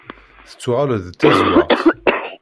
Tettuɣal-d d tazewwaɣt.